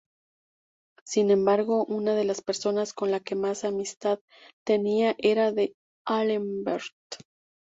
Sin embargo, una de las personas con la que más amistad tenía era D'Alembert.